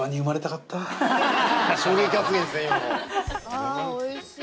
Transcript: あおいしい。